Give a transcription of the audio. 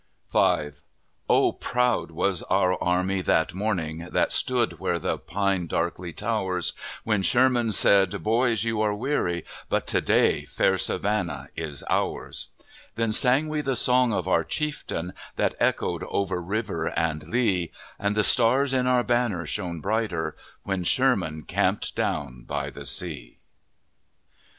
V Oh, proud was our army that morning, That stood where the pine darkly towers, When Sherman said, "Boys, you are weary, But to day fair Savannah is ours!" Then sang we the song of our chieftain, That echoed over river and lea, And the stars in our banner shone brighter When Sherman camped down by the sea!